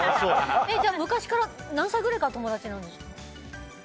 じゃあ、昔から何歳くらいから友達なんですか？